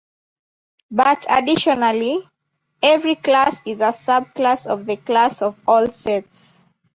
But additionally, every class is a subclass of the class of all sets.